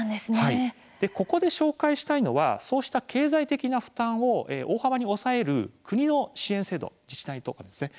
ここで紹介したいのはそうした経済的な負担を大幅に抑える、国の支援制度自治体とかですね。